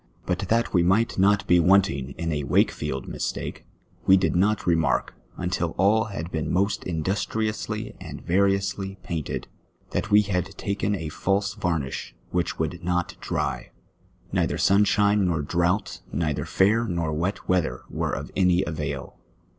l>ut that we nii^ht not be wantinj^ in a Wakefield mistake, we did not remark, imtil all had been most industriously and variously painted, that we had taken a false varnish whieh would not dry ; neither sunshine nor drauf^ht, ncitlier fair nor wet weather were of any avail.